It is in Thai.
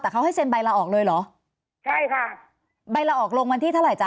แต่เขาให้เซ็นใบละออกเลยเหรอใช่ค่ะใบละออกลงวันที่เท่าไห้